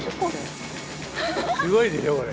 すごいでしょこれ。